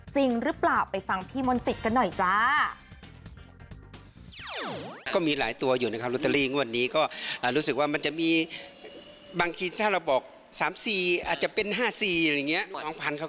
จริงหรือเปล่าไปฟังพี่มนต์สิทธิ์กันหน่อยจ้า